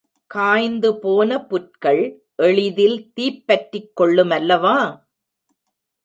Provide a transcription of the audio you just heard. காய்ந்துபோன புற்கள் எளிதில் தீப்பற்றிக் கொள்ளுமல்லவா?